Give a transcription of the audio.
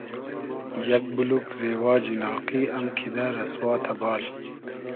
یئگ بولوگ رېواجی ناقی ام کیدۂ رئسوا تئبال